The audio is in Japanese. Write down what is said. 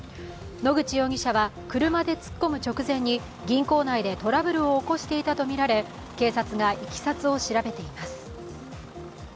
野口容疑者は車で突っ込む直前に銀行内でトラブルを起こしていたとみられ、警察がいきさつを調べています。